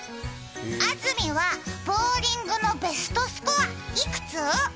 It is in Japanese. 安住はボウリングのベストスコアいくつ？